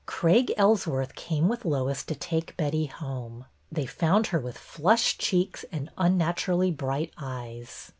Craig Ellsworth came with Lois to take Betty home. They found her with flushed cheeks and unnaturally bright eyes.